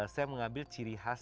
saya mengambil ciri khas